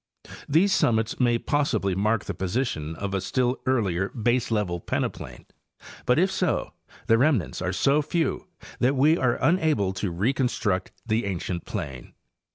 These summits may possibly mark the position of a still. earlier baselevel peneplain; but if so, the remnants are so few that we are unable to reconstruct the ancient plain.